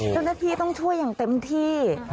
เจ้าหน้าที่ต้องช่วยอย่างเต็มที่